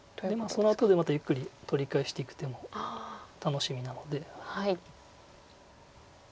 そのあとでまたゆっくり取り返していく手も楽しみなので。